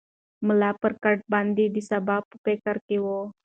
ملا پر کټ باندې د سبا په فکر کې و.